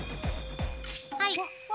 はい。